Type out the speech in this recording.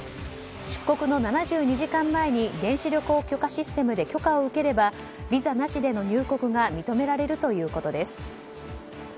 出国の７２時間前に電子旅行許可システムで許可を受ければビザなしでの入国が認められるということです。